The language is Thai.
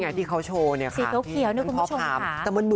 คล้ายที่เค้าโชว์เนี่ยค่ะ